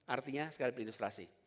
artinya sekalipilus ilustrasi